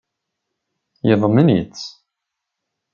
Yeḍmen-itt.